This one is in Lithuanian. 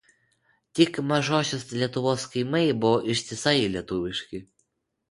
Tik Mažosios Lietuvos kaimai buvo ištisai lietuviški.